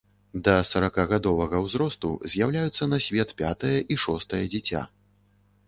Да саракагадовага ўзросту з'яўляюцца на свет пятае і шостае дзіця.